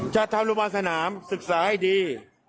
จะทำโรงพยาบาลสนามศึกษาให้ดี